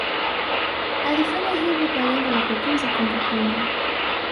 Alifanya hivi kwa lengo la kutunza kumbukumbu